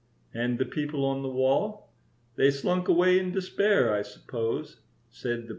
"And the people on the wall? They slunk away in despair, I suppose," said the Poet.